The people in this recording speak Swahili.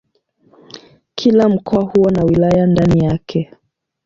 Kila mkoa huwa na wilaya ndani yake.